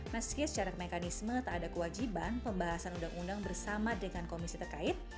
meski secara mekanisme tak ada kewajiban pembahasan undang undang bersama dengan komisi terkait